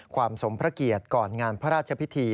สมพระเกียรติก่อนงานพระราชพิธี